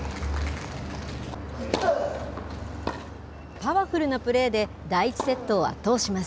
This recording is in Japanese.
パワフルなプレーで、第１セットを圧倒します。